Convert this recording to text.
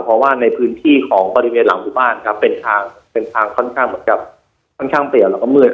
เพราะว่าในพื้นที่ของบริเวณหลังหมู่บ้านครับเป็นทางค่อนข้างเหลือเกมือน